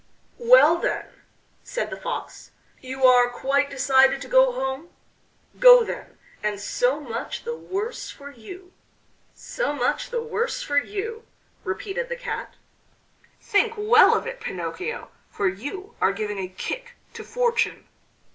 "Well, then," said the Fox, "you are quite decided to go home? Go, then, and so much the worse for you." "So much the worse for you!" repeated the Cat. "Think well of it, Pinocchio, for you are giving a kick to fortune."